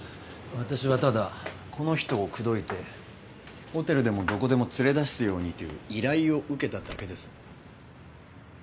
私はただこの人を口説いてホテルでもどこでも連れ出すようにという依頼を受けただけです。